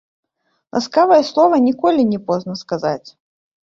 Ласкавае слова ніколі не позна сказаць.